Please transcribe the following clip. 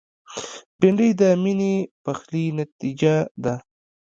بېنډۍ د میني پخلي نتیجه ده